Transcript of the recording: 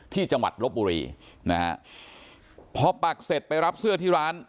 ที่จังหวัดโลปุรีพอปักเสร็จไปรับเสื้อที่ร้าน